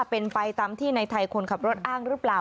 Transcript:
เป็นไปตามที่ในไทยคนขับรถอ้างหรือเปล่า